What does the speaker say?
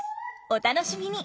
お楽しみに！